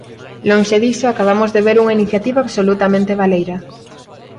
Lonxe diso, acabamos de ver unha iniciativa absolutamente baleira.